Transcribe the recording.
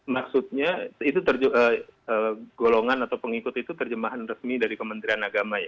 maksudnya itu terjemahan resmi dari kementerian agama